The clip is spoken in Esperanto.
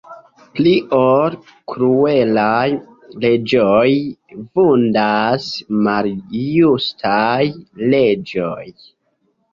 Pli ol kruelaj reĝoj, vundas maljustaj leĝoj.